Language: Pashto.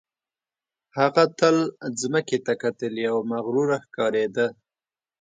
هغه تل ځمکې ته کتلې او مغروره ښکارېده